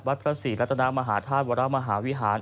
พระศรีรัตนามหาธาตุวรมหาวิหาร